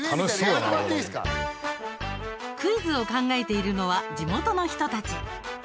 クイズを考えているのは地元の人たち。